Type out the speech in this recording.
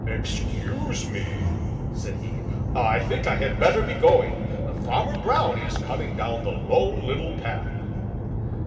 "Excuse me," said he, "I think I had better be going. Farmer Brown is coming down the Lone Little Path."